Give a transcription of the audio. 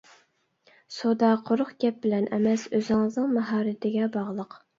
سودا قۇرۇق گەپ بىلەن ئەمەس، ئۆزىڭىزنىڭ ماھارىتىگە باغلىق.